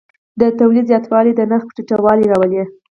د تولید زیاتوالی د نرخ ټیټوالی راولي.